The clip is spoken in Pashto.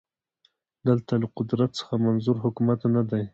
دلته له قدرت څخه منظور حکومت نه دی